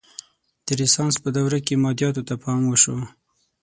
د رنسانس په دوره کې مادیاتو ته پام وشو.